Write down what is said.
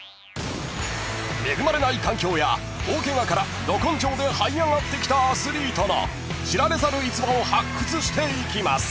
［恵まれない環境や大ケガからど根性ではい上がってきたアスリートの知られざる逸話を発掘していきます］